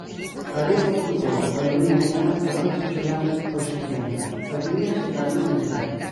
Aireportuko airelinea garrantzitsuenak Austrian Airlines eta Niki dira.